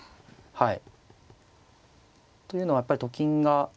はい。